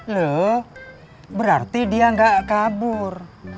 loh berarti dia nggak kabur